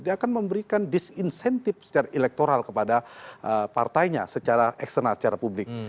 dia akan memberikan disinsentif secara elektoral kepada partainya secara eksternal secara publik